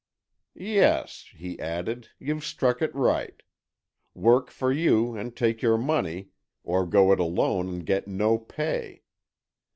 "Yes," he added, "you've struck it right. Work for you and take your money, or go it alone and get no pay.